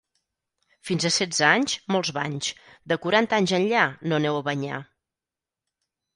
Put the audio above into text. Fins a setze anys, molts banys; de quaranta anys enllà no aneu a banyar.